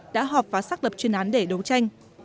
đã họp và xác lập chuyên án để đấu tranh